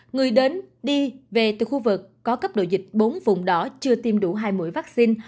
người đến đi về từ khu vực có cấp độ dịch bốn vùng đỏ chưa tiêm đủ hai mũi vaccine